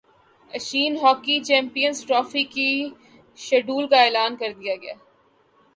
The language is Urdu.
ایشین ہاکی چیمپئنز ٹرافی کے شیڈول کا اعلان کردیا گیا